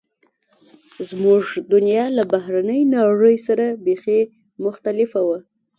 زموږ دنیا له بهرنۍ نړۍ سره بیخي مختلفه وه